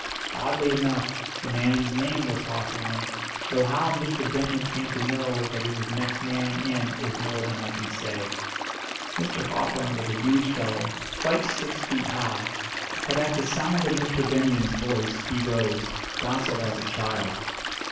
Oddly enough, the man's name was Hawthorn, though how Mr. Benyon came to know that he was next man in is more than I can say. Mr. Hawthorn was a huge fellow quite six feet high; but at the sound of Mr. Benyon's voice he rose, docile as a child.